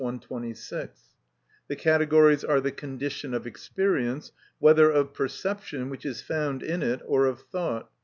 126, the "categories are the condition of experience, whether of perception, which is found in it, or of thought."